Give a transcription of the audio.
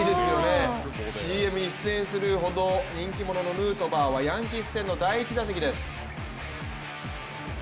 ＣＭに出演するほど人気者のヌートバーはヤンキース戦の第１打席です。